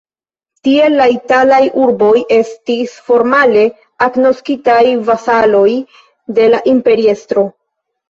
Tiel la italaj urboj estis formale agnoskitaj vasaloj de la imperiestro.